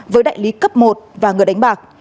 với đại lý cấp một và người đánh bạc